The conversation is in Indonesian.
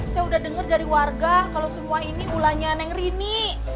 saya udah dengar dari warga kalau semua ini ulanya neng rini